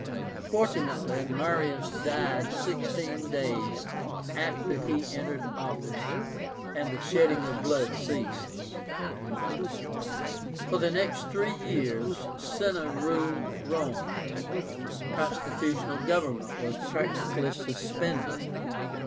Fortunately Marius died sixteen days after he entered office, and the shedding of blood ceased. For the next three years Cinna ruled Rome. Constitutional government was practically suspended.